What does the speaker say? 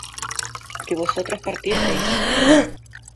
que vosotras partieseis